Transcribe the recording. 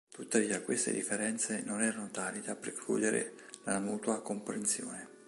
Tuttavia queste differenze non erano tali da precludere la mutua comprensione.